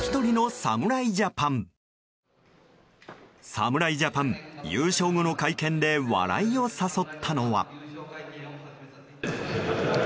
侍ジャパン、優勝後の会見で笑いを誘ったのは。